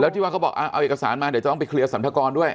ที่ว่าเขาบอกเอาเอกสารมาเดี๋ยวจะต้องไปเคลียร์สรรพากรด้วย